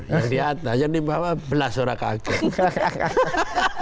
yang di atas jadi di bawah belas orang kaget